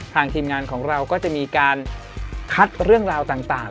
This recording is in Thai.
ทีมงานของเราก็จะมีการคัดเรื่องราวต่าง